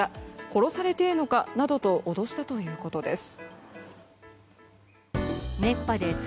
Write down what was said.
殺されてえのかなどと脅したということです。